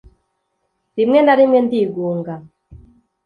rimwe na rimwe ndigunga